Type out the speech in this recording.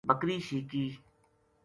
بکری شیکی